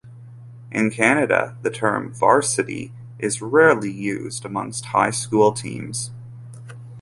In Canada the term "Varsity" is rarely used amongst high school teams.